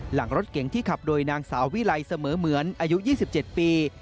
หลังรถเก๋งที่ขับโดยนางสาววิลัยเสมอเหมือนอายุ๒๗ปี